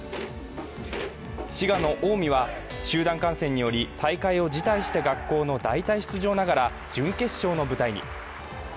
滋賀の近江は集団感染により大会を辞退した学校の代替出場ながら準決勝の舞台に。